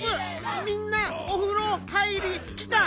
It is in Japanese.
みんなおふろ入りきた！